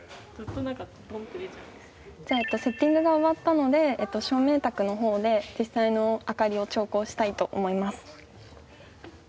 じゃあセッティングが終わったので照明卓の方で実際の明かりを調光したいと思います。